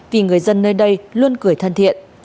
vì người dân nơi đây luôn cười thân thiện